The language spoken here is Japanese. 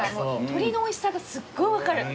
鶏のおいしさがすっごい分かる。